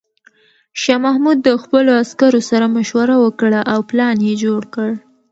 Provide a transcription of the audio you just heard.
شاه محمود د خپلو عسکرو سره مشوره وکړه او پلان یې جوړ کړ.